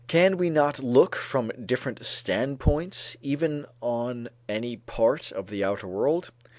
Can we not look from different standpoints even on any part of the outer world?